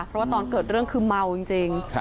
เพราะว่าตอนเกิดเรื่องคือเมาจริง